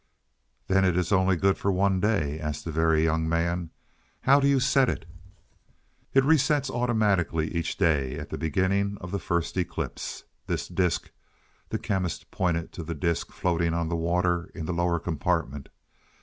"Then it is only good for one day?" asked the Very Young Man. "How do you set it?" "It resets automatically each day, at the beginning of the first eclipse. This disc," the Chemist pointed to the disc floating on the water in the lower compartment.